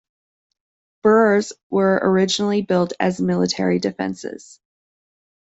Burhs were originally built as military defences.